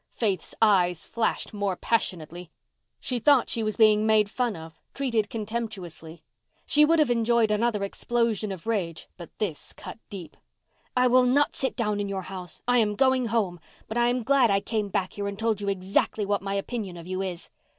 Faith's eyes flashed more passionately. She thought she was being made fun of—treated contemptuously. She would have enjoyed another explosion of rage, but this cut deep. "I will not sit down in your house. I am going home. But I am glad I came back here and told you exactly what my opinion of you is."